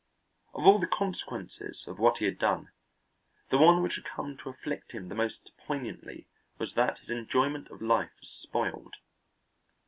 Of all the consequences of what he had done, the one which had come to afflict him the most poignantly was that his enjoyment of life was spoiled.